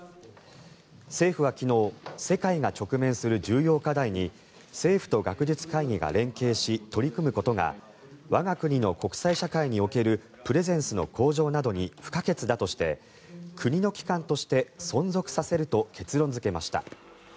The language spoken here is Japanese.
政府は昨日世界が直面する重要課題に政府と学術会議が連携し、取り組むことが我が国の国際社会におけるプレゼンスの向上などに不可欠だとして国の機関として存続させると結論付けました。